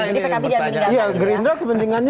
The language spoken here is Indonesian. jadi pkb jauh meninggalkan gitu ya